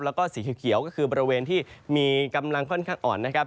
แล้วก็สีเขียวก็คือบริเวณที่มีกำลังค่อนข้างอ่อนนะครับ